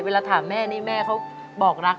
เวลาถามแม่นี่แม่เขาบอกรัก